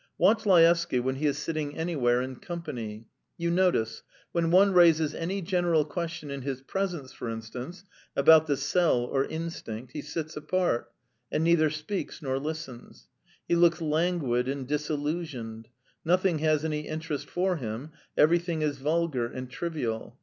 Watch Laevsky when he is sitting anywhere in company. You notice: when one raises any general question in his presence, for instance, about the cell or instinct, he sits apart, and neither speaks nor listens; he looks languid and disillusioned; nothing has any interest for him, everything is vulgar and trivial.